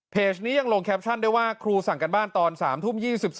ยังลงแคปชั่นได้ว่าครูสั่งการบ้านตอน๓ทุ่ม๒๔